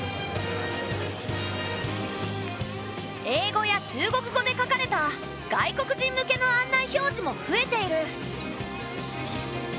英語や中国語で書かれた外国人向けの案内表示も増えている。